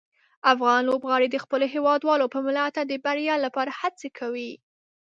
افغان لوبغاړي د خپلو هیوادوالو په ملاتړ د بریا لپاره هڅه کوي.